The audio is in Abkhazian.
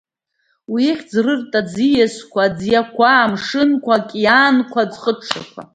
Уи ихьӡ рырит аӡиасқәа, аӡиақәа, амшынқәа, аокеанқәа, аӡхыҽҽақәа.